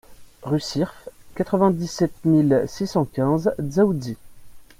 Rue Sirf, quatre-vingt-dix-sept mille six cent quinze Dzaoudzi